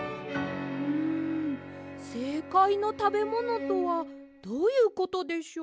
んせいかいのたべものとはどういうことでしょう？」